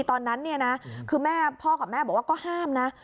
ตอนนั้นคือพ่อกับแม่บอกว่าก็ห้ามนะ